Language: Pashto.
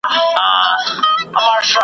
د خزان په موسم کي .